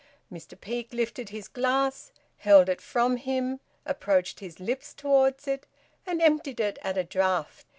Mr Peake lifted his glass, held it from him, approached his lips towards it, and emptied it at a draught.